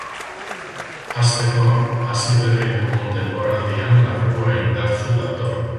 Hasteko, hasi berri dugun denboraldian larrua indartsu dator.